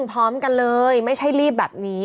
พร้อมกันเลยไม่ใช่รีบแบบนี้